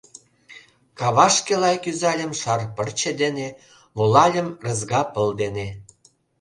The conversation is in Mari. Кавашке лай кӱзальым шар пырче дене, волальым рызга пыл дене.